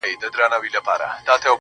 راته ژړا راسي,